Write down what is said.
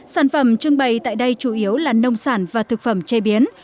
sản phẩm trưng bày tại đây chủ yếu là nông sản và thực phẩm chế biến